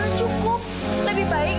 amira disuruh cari kerja